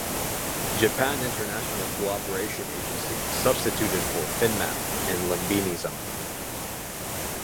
Japan International Cooperation Agency substituted for FinnMap in Lumbini Zone.